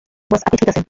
বস আপনি ঠিক আছেন?